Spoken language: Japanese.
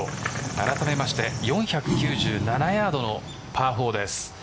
あらためまして４９７ヤードのパー４です。